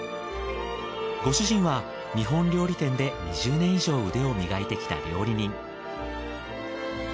ご主人は日本料理店で２０年以上腕を磨いてきた料理人。